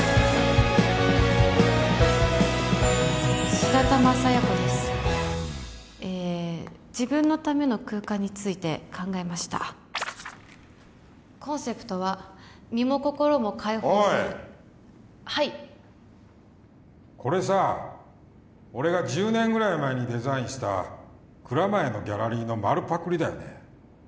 白玉佐弥子ですえー自分のための空間について考えましたコンセプトは身も心も開放するおいはいこれさ俺が１０年ぐらい前にデザインした蔵前のギャラリーの丸パクリだよね